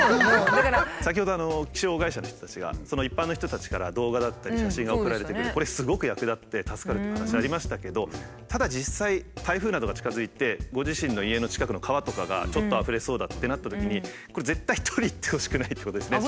先ほどあの気象会社の人たちが一般の人たちから動画だったり写真が送られてくるこれすごく役立って助かるという話ありましたけどただ実際台風などが近づいてご自身の家の近くの川とかがちょっとあふれそうだってなったときにこれ絶対撮りに行ってほしくないってことですね。